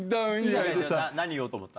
何言おうと思った？